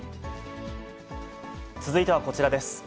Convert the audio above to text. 続いてはこちらです。